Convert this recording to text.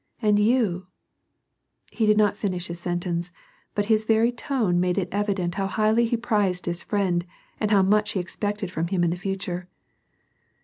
And you "— He did not finish his sentence, but his very tone made it evident how highly he prized his friend and how much he expected from him in the future.